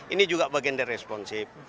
ini juga bagian dari responsif